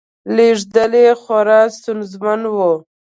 لېږدول یې خورا ستونزمن و